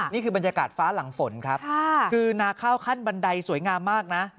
นี่คือบรรยากาศฟ้าหลังฝนครับคือนาข้าวขั้นบันไดสวยงามมากนะ